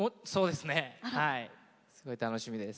すごく楽しみです。